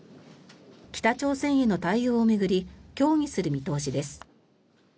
北朝鮮への対応を巡り協議する見通しです。